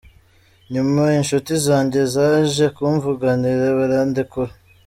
Nyuma inshuti zanjye zaje kumvuganira barandekura.